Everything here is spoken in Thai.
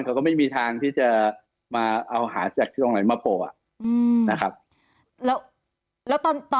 เขาก็ไม่มีทางที่จะมาเอาหาจากที่ตรงไหนมาโป่อะ